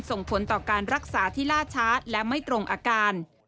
ส่งผลต่อการรักษาที่ล่าช้าและไม่ตรงอาการ